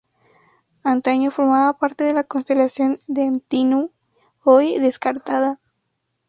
Antaño formaba parte de la constelación de Antínoo, hoy descartada.